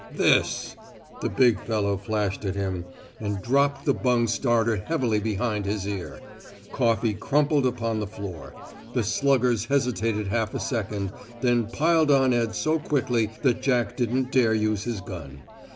"This." The big fellow flashed at him, and dropped the bung starter heavily behind his ear. Coffey crumpled upon the floor. The sluggers hesitated half a second, then piled on Ed so quickly that Jack didn't dare use his gun.